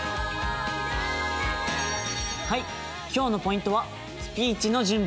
はい今日のポイントは「スピーチの準備」。